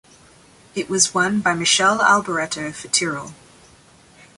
It was won by Michele Alboreto for Tyrrell.